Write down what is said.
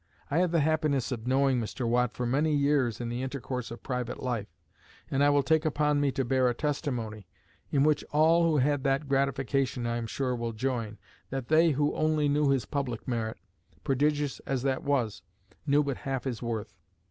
I had the happiness of knowing Mr. Watt for many years, in the intercourse of private life; and I will take upon me to bear a testimony, in which all who had that gratification I am sure will join, that they who only knew his public merit, prodigious as that was, knew but half his worth.